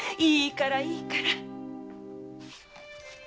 いいからいいから。